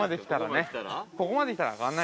ここまで来たらね。